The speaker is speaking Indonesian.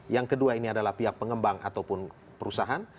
yang kedua ini adalah pihak pengembang ataupun perusahaan